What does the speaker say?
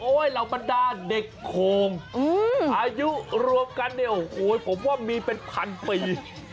โอ๊ยเราบรรดาเด็กโครงอายุรวมกันโอ๊ยผมว่ามีเป็นพันปี